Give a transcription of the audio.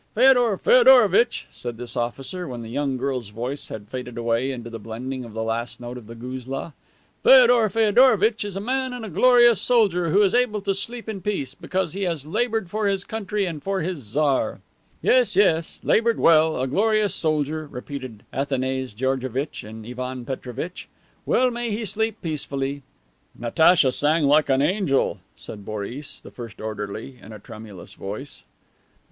"Feodor Feodorovitch," said this officer, when the young girl's voice had faded away into the blending with the last note of the guzla, "Feodor Feodorovitch is a man and a glorious soldier who is able to sleep in peace, because he has labored for his country and for his Czar." "Yes, yes. Labored well! A glorious soldier!" repeated Athanase Georgevitch and Ivan Petrovitch. "Well may he sleep peacefully." "Natacha sang like an angel," said Boris, the first orderly, in a tremulous voice.